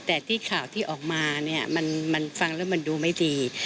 แต่ที่ข่าวที่ออกมาเนี่ยมันฟังแล้วมันดูไม่ดี